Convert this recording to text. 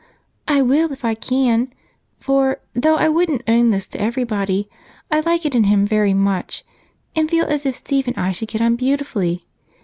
"I will if I can, for though I wouldn't own this to everybody, I like it in him very much and feel as if Steve and I should get on beautifully.